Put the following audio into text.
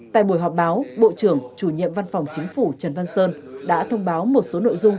tại buổi họp báo bộ trưởng chủ nhiệm văn phòng chính phủ trần văn sơn đã thông báo một số nội dung